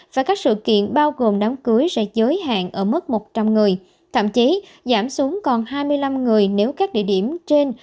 và các sự kiện bao gồm đám cưới sẽ giới hạn ở mức một trăm linh người thậm chí giảm xuống còn hai mươi năm người nếu các địa điểm trên